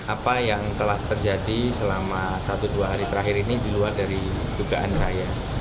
apa yang telah terjadi selama satu dua hari terakhir ini di luar dari dugaan saya